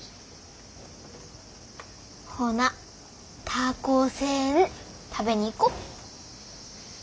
ほなたこせん食べに行こ。